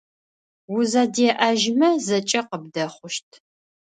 Узэдеӏэжьмэ зэкӏэ къыбдэхъущт.